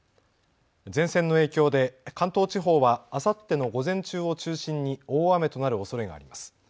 前線の影響で関東地方はあさっての午前中を中心に大雨となるおそれがあります。